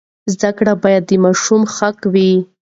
زده کړه باید د ماشوم حق وي.